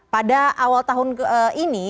pada awal tahun ini